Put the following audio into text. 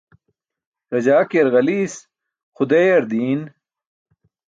Rajaakiyar ġaliis, xudeeyar diin.